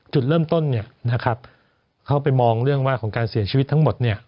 จุดเริ่มต้นเข้าไปมองเรื่องว่าของการเสียชีวิตทั้งหมด